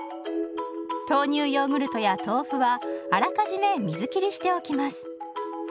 豆乳ヨーグルトや豆腐はあらかじめ水切りしておきます。